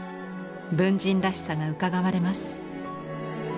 文人らしさがうかがわれます。